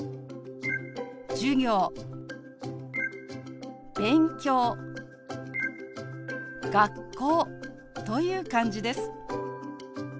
「授業」「勉強」「学校」という感じです。